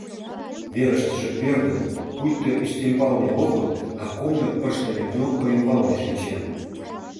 Верыштыже пӧрдын, пуйто ӱстембалне огыл, а комдык пыштыме кнопка ӱмбалне шинчен.